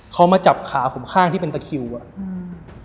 เขามาจับขาผมข้างที่เป็นตะคิวอ่ะอืม